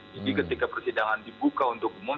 jadi ketika persidangan dibuka untuk umum